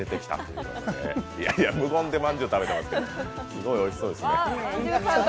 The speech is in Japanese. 無言でまんじゅう食べてますけど、すごいおいしそうですね。